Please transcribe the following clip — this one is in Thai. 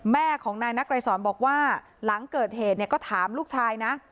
แม่ของนายนักไกรสอนบอกว่าหลังเกิดเหตุเนี่ยก็ถามลูกชายนะ